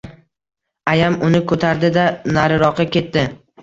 Ayam uni koʻtardi-da, nariroqqa ketdi.